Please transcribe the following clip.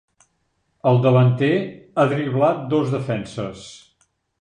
El davanter ha driblat dos defenses.